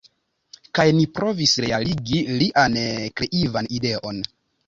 Kaj ni provis realigi lian kreivan ideon.